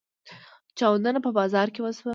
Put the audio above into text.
چاودنه په بازار کې وشوه.